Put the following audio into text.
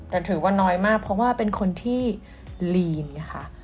แต่ถือว่าน้อยมากเพราะว่าเป็นคนที่ลีนค่ะ